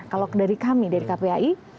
kalau dari kami dari kpai